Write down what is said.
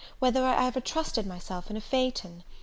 whether I ever trusted myself in a phaeton?